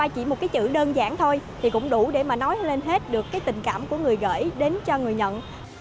chữ đơn giản thôi thì cũng đủ để mà nói lên hết được cái tình cảm của người gửi đến cho người nhận